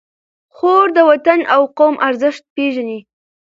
خور د وطن او قوم ارزښت پېژني.